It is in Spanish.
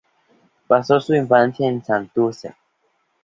Pasó su infancia en Santurce.